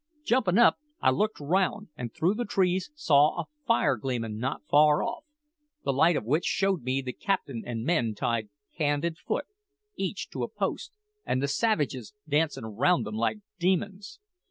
Jumpin' up, I looked round, and through the trees saw a fire gleamin' not far off; the light of which showed me the captain and men tied hand and foot, each to a post, and the savages dancin' round them like demons.